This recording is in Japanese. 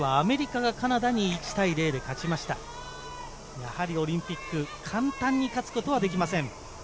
やはりオリンピック簡単に勝つことはできません。